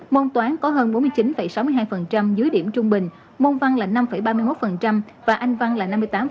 môn toán có hơn bốn mươi chín sáu mươi hai dưới điểm trung bình môn văn là năm ba mươi một và anh văn là năm mươi tám